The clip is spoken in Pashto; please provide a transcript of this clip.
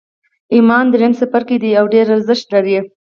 ایمان درېیم څپرکی دی او ډېر ارزښت لري